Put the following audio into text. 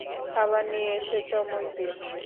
খাবার নিয়ে এসে চমক দিন।